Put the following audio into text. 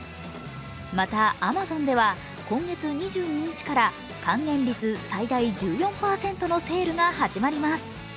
また、アマゾンでは今月２２日から還元率最大１４％のセールが始まります。